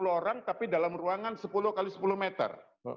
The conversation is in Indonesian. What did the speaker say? sepuluh orang tapi dalam ruangan sepuluh x sepuluh meter